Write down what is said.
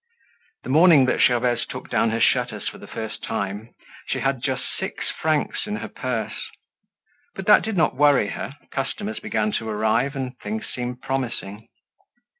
The morning that Gervaise took down her shutters for the first time, she had just six francs in her purse. But that did not worry her, customers began to arrive, and things seemed promising.